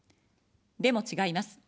でも、違います。